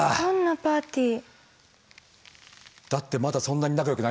だってまだそんなに仲良くないもんね。